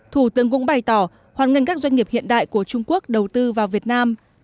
thủ tướng cũng bày tỏ hoan nghênh các doanh nghiệp hiện đại của trung quốc đầu tư vào việt nam